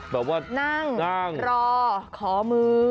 แบบว่านั่งรอขอมือนั่งรอขอมือ